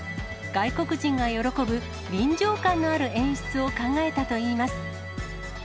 外国人が喜ぶ、臨場感のある演出を考えたといいます。